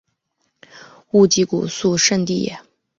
勿吉古肃慎地也。